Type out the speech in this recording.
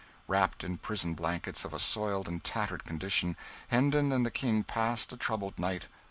Wrapped in prison blankets of a soiled and tattered condition, Hendon and the King passed a troubled night.